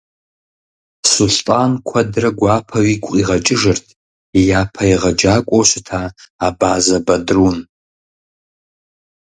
Сулътӏан куэдрэ гуапэу игу къигъэкӏыжырт и япэ егъэджакӏуэу щыта Абазэ Бадрун.